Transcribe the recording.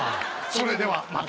それではまた！